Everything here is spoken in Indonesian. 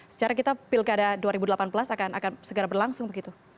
secara kita pilkada dua ribu delapan belas akan segera berlangsung begitu